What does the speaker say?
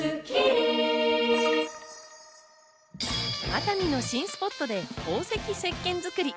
熱海の新スポットで宝石石けんづくり。